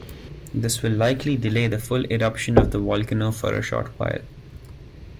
This will likely delay the full eruption of the volcano for a short while.